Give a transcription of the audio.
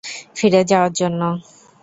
ফিরে যাওয়ার জন্য।